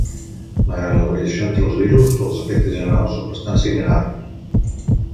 Malgrat la variació entre els virus, els aspectes generals són bastant similars.